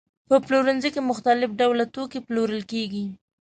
په پلورنځي کې مختلف ډول توکي پلورل کېږي.